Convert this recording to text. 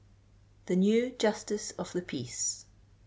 THE NEW JUSTICE OF THE PEACE.